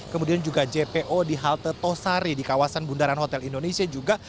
kemudian juga jpo di halte tosari di kawasan bundaran hotel indonesia juga